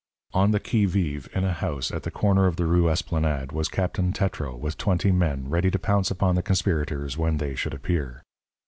On the qui vive in a house at the corner of the Rue Esplanade was Captain Tetreau with twenty men, ready to pounce upon the conspirators when they should appear.